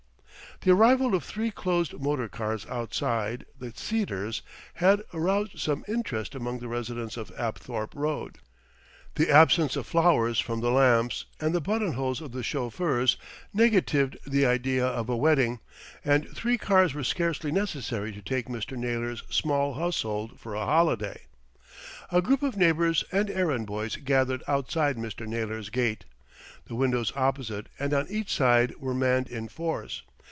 The arrival of three closed motor cars outside "The Cedars" had aroused some interest among the residents of Apthorpe Road. The absence of flowers from the lamps and the buttonholes of the chauffeurs negatived the idea of a wedding, and three cars were scarcely necessary to take Mr. Naylor's small household for a holiday. A group of neighbours and errand boys gathered outside Mr. Naylor's gate. The windows opposite and on each side were manned in force.